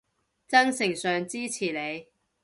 精神上支持你